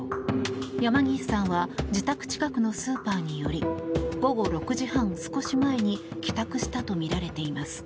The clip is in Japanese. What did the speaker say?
山岸さんは自宅近くのスーパーに寄り午後６時半少し前に帰宅したとみられています。